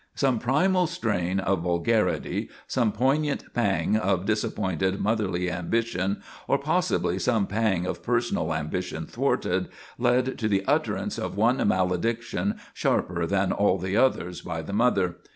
Some primal strain of vulgarity, some poignant pang of disappointed motherly ambitions, or possibly some pang of personal ambitions thwarted, led to the utterance of one malediction sharper than all the others by the mother.